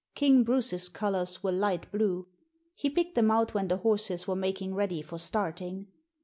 King Bruce's colours were light blue. He picked them out when the horses were making ready for starting.